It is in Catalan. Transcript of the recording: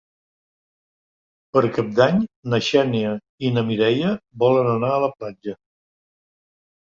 Per Cap d'Any na Xènia i na Mireia volen anar a la platja.